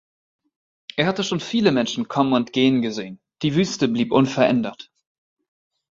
Er hatte schon viele Menschen kommen und gehen gesehen, die Wüste blieb unverändert.